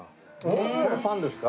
このパンですか？